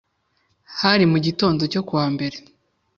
Hari mu gitondo cyo ku wa Mbere